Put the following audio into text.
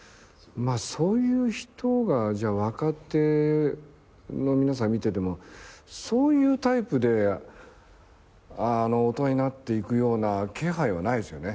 そういう人がじゃあ若手の皆さん見ててもそういうタイプで大人になっていくような気配はないですよね。